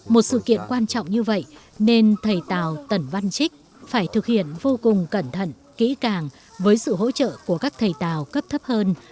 một sự kiện quan trọng như vậy nên thầy tào tẩn văn trích phải thực hiện vô cùng cẩn thận kỹ càng với sự hỗ trợ của các thầy tàu cấp thấp hơn